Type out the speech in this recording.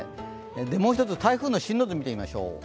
もう一つ、台風の進路図、見てみましょう。